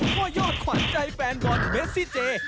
พ่อยอดขวัญใจแฟนบอลเมซี่เจ